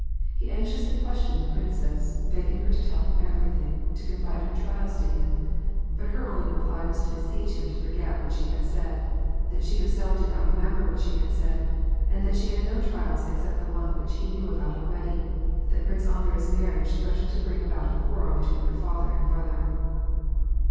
He anxiously questioned the princess: begged her to tell him everything, — to confide her trials in him ; but her only reply was to beseech him to forget what she had said ; that she herself did not remember what she had said, and that she had no trials except the one which he knew about already : that Prince Andrei's marriage threat ened to bring about a* quarrel between her father and brother.